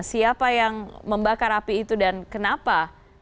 siapa yang membakar api itu dan kenapa